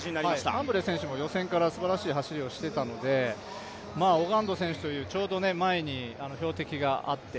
ファンブレー選手も予選からすばらしい走りをしていたので、オガンド選手というちょうど前に標的があって